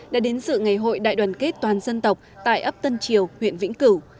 đã đến sự ngày hội đại đoàn kết toàn dân tộc tại ấp tân triều huyện vĩnh cửu